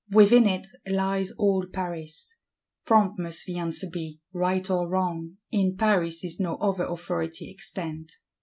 Within it lies all Paris. Prompt must the answer be, right or wrong; in Paris is no other Authority extant.